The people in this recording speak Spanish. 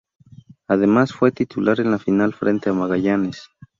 Además fue titular en la final frente a Magallanes.